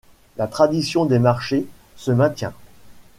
La tradition des marchés se maintient.